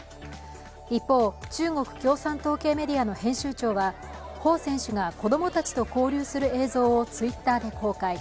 一方、中国共産党系メディアの編集長は彭選手が子供たちと交流する映像をＴｗｉｔｔｅｒで公開。